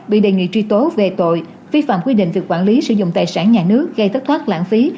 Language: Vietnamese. bị đề nghị truy tố về tội vi phạm quy định về quản lý sử dụng tài sản nhà nước gây thất thoát lãng phí